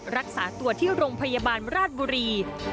รักษาตัวที่โรงพยาบาลราชบุรี